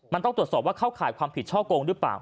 มันต้องตรวจสอบว่าเข้าข่ายความผิดช่อโกงหรือเปล่า